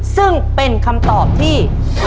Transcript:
ซึ่งเป็นคำตอบที่